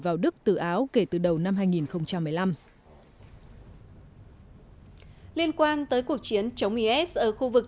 vào đức từ áo kể từ đầu năm hai nghìn một mươi năm liên quan tới cuộc chiến chống is ở khu vực